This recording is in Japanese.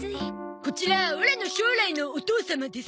こちらオラの将来のお義父様です。